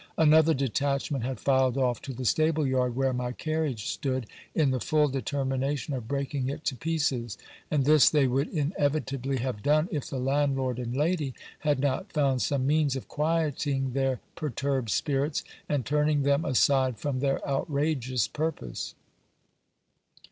Another detachment had filed off to the stable yard where my carriage stood, in the full determination of breaking it to pieces ; and this they would inevit ably have done, if the landlord and lady had not found some means of quieting their perturbed spirits, and turning them aside from their outrageous purpose.